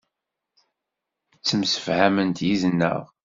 Ttemsefhament yid-neɣ.